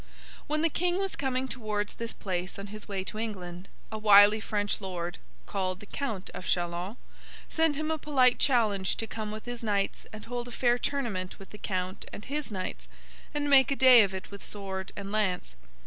When the King was coming towards this place on his way to England, a wily French Lord, called the Count of Châlons, sent him a polite challenge to come with his knights and hold a fair tournament with the Count and his knights, and make a day of it with sword and lance.